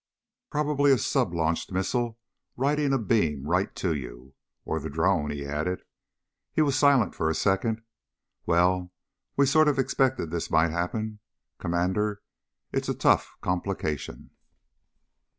"Probably a sub launched missile riding a beam right to you. Or the drone," he added. He was silent for a second. "Well, we sort of expected this might happen, Commander. It's a tough complication."